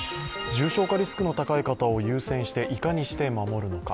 重症化リスクの高い方を優先していかにして守るのか。